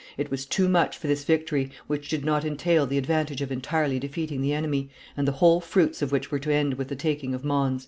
"It was too much for this victory, which did not entail the advantage of entirely defeating the enemy, and the whole fruits of which were to end with the taking of Mons."